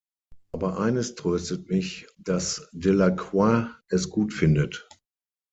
Aber eines tröstet mich: daß Delacroix es gut findet.